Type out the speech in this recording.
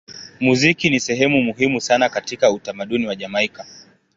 Muziki ni sehemu muhimu sana katika utamaduni wa Jamaika.